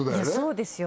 そうですよ